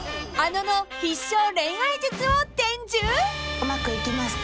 うまくいきますか？